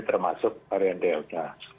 termasuk varian delta